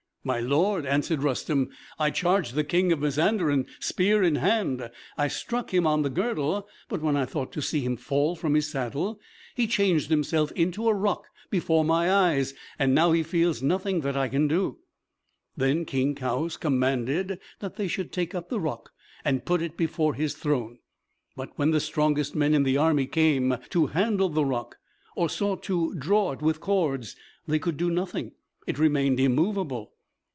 "My lord," answered Rustem, "I charged the King of Mazanderan, spear in hand; I struck him on the girdle, but when I thought to see him fall from his saddle, he changed himself into a rock before my eyes, and now he feels nothing that I can do." Then King Kaoüs commanded that they should take up the rock and put it before his throne. But when the strongest men in the army came to handle the rock, or sought to draw it with cords, they could do nothing; it remained immovable.